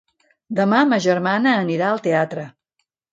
Demà ma germana anirà al teatre.